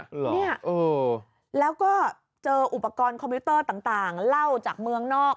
เหรอเนี่ยเออแล้วก็เจออุปกรณ์คอมพิวเตอร์ต่างเหล้าจากเมืองนอก